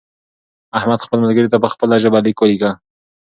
احمد خپل ملګري ته په خپله ژبه لیک ولیکه.